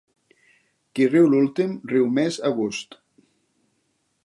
Qui riu l'últim riu més a gust.